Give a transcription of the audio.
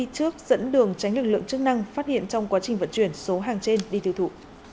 công an huyện vĩnh kiểu đã dẫn đường tránh lực lượng chức năng phát hiện trong quá trình vận chuyển số hàng trên đi thư thụ